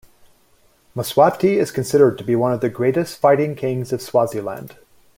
Mswati is considered to be one of the greatest fighting kings of Swaziland.